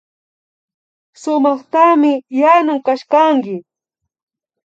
Sumaktami yanun kashkanki